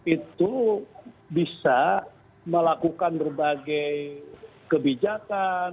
itu bisa melakukan berbagai kebijakan